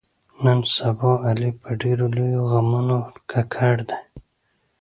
نن سبا علي په ډېرو لویو غمونو ککړ دی.